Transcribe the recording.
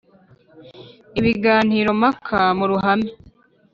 ibiganiro mpaka mu ruhame